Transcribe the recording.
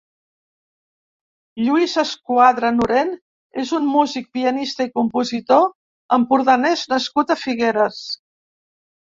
Lluís Escuadra Nurén és un músic, pianista i compositor empordanès nascut a Figueres.